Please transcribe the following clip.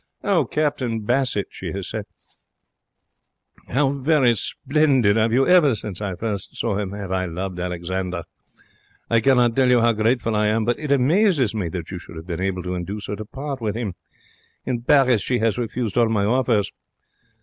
'Oh, Captain Bassett,' she has said, 'how very splendid of you! Ever since I first saw him have I loved Alexander. I cannot tell you how grateful I am. But it amazes me that you should have been able to induce her to part with 'im. In Paris she has refused all my offers.'